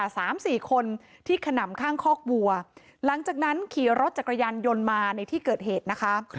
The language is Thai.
สามสี่คนที่ขนำข้างคอกวัวหลังจากนั้นขี่รถจักรยานยนต์มาในที่เกิดเหตุนะคะ